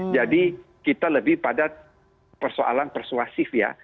jadi kita lebih pada persoalan persuasif ya